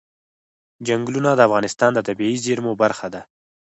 چنګلونه د افغانستان د طبیعي زیرمو برخه ده.